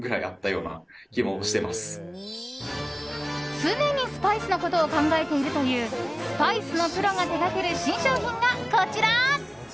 常にスパイスのことを考えているというスパイスのプロが手がける新商品がこちら。